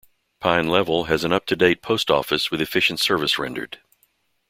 Pine Level has an up-to-date post office with efficient service rendered.